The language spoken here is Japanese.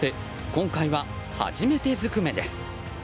今回は初めてずくめです。